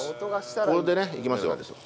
これでねいきますよ。